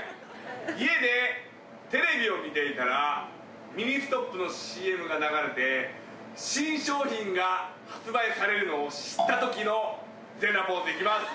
家でテレビを見ていたらミニストップのＣＭが流れて新商品が発売されるのを知った時の全裸ポーズいきます